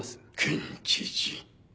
県知事。